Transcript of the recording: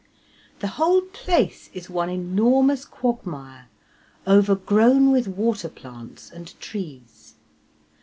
The whole place is one enormous quagmire, overgrown with water plants and trees.